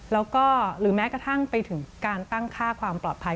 แล้วก็หรือแม้กระทั่งไปถึงการตั้งค่าความปลอดภัย